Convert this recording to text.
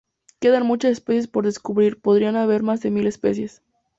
Quedan muchas especies por describir; podría haber más de mil especies.